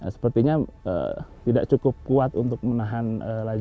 sepertinya tidak cukup kuat untuk menahan laju